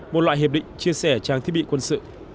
một loại hiệp định chia sẻ trang thiết bị quân sự